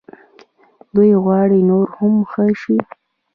دوی غواړي نور هم ښه شي.